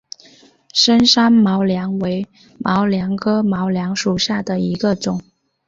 深山毛茛为毛茛科毛茛属下的一个种。